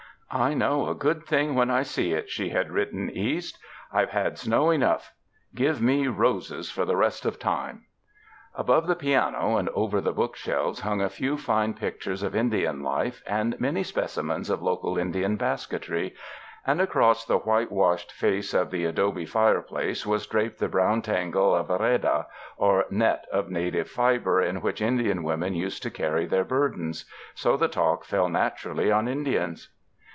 "I know a good thing when I see it," she had written East, "I've had snow enough — give me roses for the rest 84 THE MOUNTAINS of time!" Above the piano and over the book shelves, hung a few fine i^ictures of Indian life and many specimens of local Indian basketry, and across the whitewashed face of the adobe fire place was draped the brown tangle of a reda, or net of native fiber, in which Indian women used to carry their burdens. So the talk fell naturally on In dians.